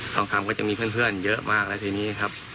ทองคำก็จะมีเพื่อนเยอะมากแล้วทีนี้ครับ